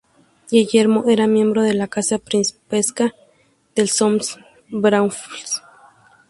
Guillermo era miembro de la Casa Principesca de Solms-Braunfels.